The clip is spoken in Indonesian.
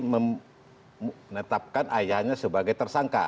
menetapkan ayahnya sebagai tersangka